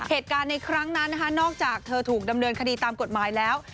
เหตุการณ์ในครั้งนั้นนะคะนอกจากเธอถูกดำเนินคดีตามกฎหมายแล้ว